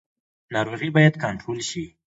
ناروغي باید کنټرول شي